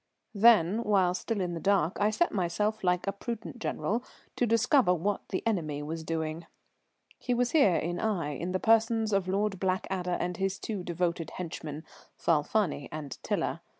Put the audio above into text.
Then, while still in the dark, I set myself like a prudent general to discover what the enemy was doing. He was here in Aix in the persons of Lord Blackadder and his two devoted henchmen, Falfani and Tiler.